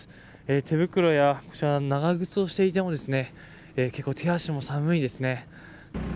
手袋や、こちら長靴をしていても結構、手足も寒いですね。